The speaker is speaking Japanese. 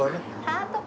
ハート。